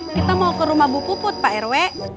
kita mau ke rumah bu puput pak rw